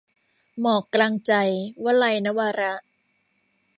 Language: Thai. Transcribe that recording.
หมอกกลางใจ - วลัย นวาระ